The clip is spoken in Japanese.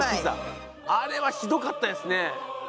あれはひどかったですね。